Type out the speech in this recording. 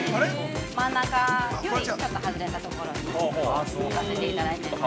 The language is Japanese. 真ん中よりちょっと外れたところに置かせていただきます。